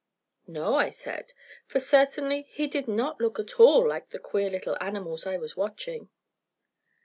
"No," I said, for certainly he did not look at all like the queer little animals I was watching.